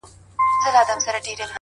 پر ټول جهان دا ټپه پورته ښه ده”